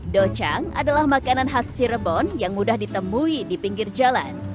docang adalah makanan khas cirebon yang mudah ditemui di pinggir jalan